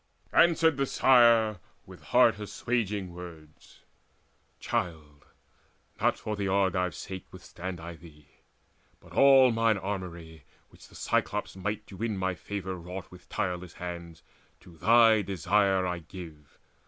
Answered the Sire with heart assuaging words: "Child, not for the Argives' sake withstand I thee; But all mine armoury which the Cyclops' might To win my favour wrought with tireless hands, To thy desire I give.